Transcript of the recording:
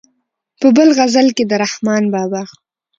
په بل غزل کې د رحمان بابا.